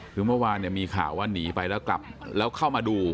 คือเมื่อวานเนี่ยมีข่าวว่าหนีไปแล้วกลับแล้วเข้ามาดู